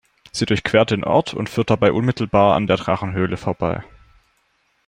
Sie durchquert den Ort und führt dabei unmittelbar an der Drachenhöhle vorbei.